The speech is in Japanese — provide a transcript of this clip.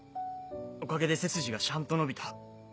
おかげで背筋がしゃんと伸びた。